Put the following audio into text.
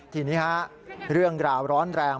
ทีนี้ฮะเรื่องราวร้อนแรง